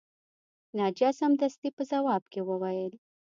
ناجیه سمدستي په ځواب کې وویل